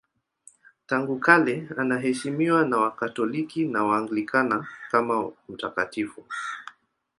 Tangu kale anaheshimiwa na Wakatoliki na Waanglikana kama mtakatifu.